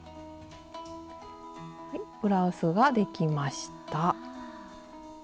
ブラウスができました。